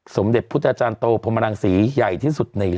สมเด็จพุทธจารย์โตพรมรังศรีใหญ่ที่สุดใน